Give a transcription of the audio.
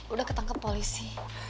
udah ketangkep polisi